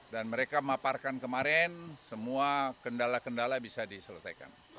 dan mereka maparkan kemarin semua kendala kendala bisa diselesaikan